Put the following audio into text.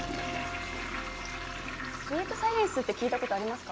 スウィートサイエンスって聞いた事ありますか？